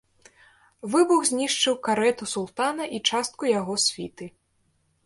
Выбух знішчыў карэту султана і частку яго світы.